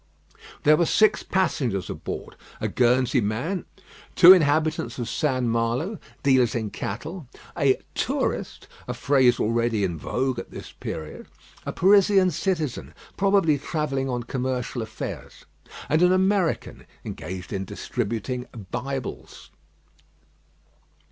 There were six passengers aboard; a Guernsey man, two inhabitants of St. Malo, dealers in cattle: a "tourist," a phrase already in vogue at this period a Parisian citizen, probably travelling on commercial affairs, and an American, engaged in distributing Bibles.